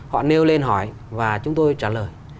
họ nêu lên hỏi và chúng tôi trả lời